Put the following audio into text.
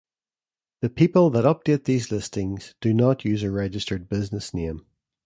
The people that update these listings do not use a registered business name.